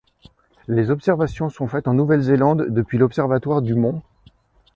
Les observations sont faites en Nouvelle-Zélande depuis l'observatoire du Mt.